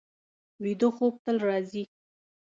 ویده خوب تل راځي